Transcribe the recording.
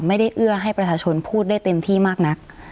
เอื้อให้ประชาชนพูดได้เต็มที่มากนัก